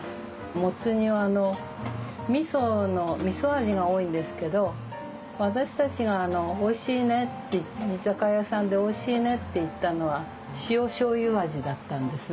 もつ煮はみそ味が多いんですけど私たちがおいしいねって居酒屋さんでおいしいねって言ったのは塩しょうゆ味だったんですね。